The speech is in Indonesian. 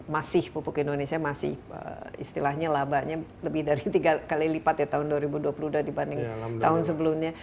masih pupuk indonesia masih istilahnya labanya lebih dari tiga kali lipat ya tahun dua ribu dua puluh dua dibanding tahun sebelumnya